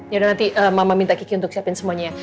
yaudah nanti mama minta kiki untuk siapin semuanya